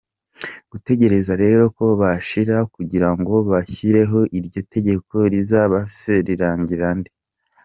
Gutegereza rero ko bashira kugira ngo bashyireho iryo tegeko, rizaba se rirengera nde?”.